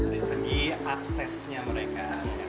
di segi aksesnya mereka